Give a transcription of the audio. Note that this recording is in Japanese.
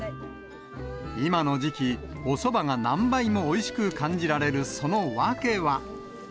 今の時期、おそばが何倍もおいしく感じられるその訳は。